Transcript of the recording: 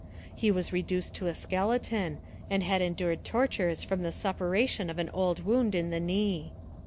He was reduced to a skeleton, and had endured tortures from the suppuration of an old wound in the knee.